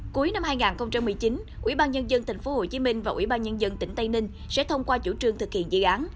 cuối năm hai nghìn một mươi chín ủy ban nhân dân tp hcm và ủy ban nhân dân tp hcm sẽ thông qua chủ trương thực hiện dự án